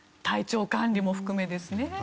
体調管理も含めですね。